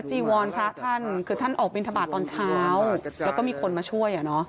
จีวอนพระท่านคือท่านออกบิณฑบาตตอนเช้าแล้วก็มีคนมาช่วยอ่ะเนอะ